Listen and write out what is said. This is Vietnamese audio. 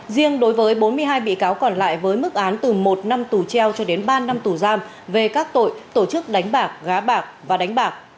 riêng đối với bốn mươi hai bị cáo còn lại với mức án từ một năm tù treo cho đến ba năm tù giam về các tội tổ chức đánh bạc gá bạc và đánh bạc